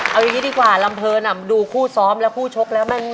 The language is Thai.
เอางี้ดีกว่ารัมเภิรดูคู่ซ้อมแล้วคู่ชกแล้ว